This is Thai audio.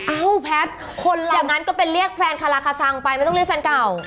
อ้าวแพทย์คนละเดี๋ยวงั้นก็ไปเรียกแฟนคาราคาซังไปไม่ต้องเรียกแฟนเก่า